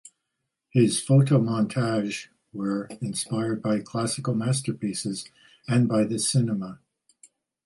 His photomontages were inspired by classical masterpieces and by the cinema.